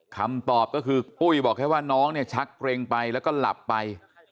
คำตอบก็คือปุ้ยบอกแค่ว่าน้องเนี่ยชักเกร็งไปแล้วก็หลับไป